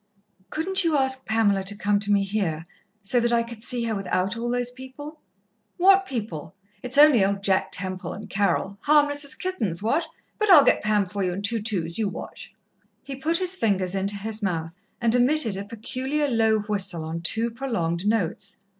"Couldn't you ask Pamela to come to me here, so that I could see her without all those people?" "What people? It's only old Jack Temple, and Carol. Harmless as kittens, what? But I'll get Pam for you in two twos. You watch." He put his fingers into his mouth and emitted a peculiar low whistle on two prolonged notes.